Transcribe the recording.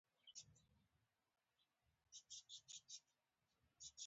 دا د پیړیو رازونه وو.